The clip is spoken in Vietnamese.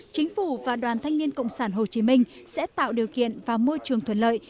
chính phủ và đoàn thanh niên cộng sản hồ chí minh sẽ tạo điều kiện và môi trường thuận lợi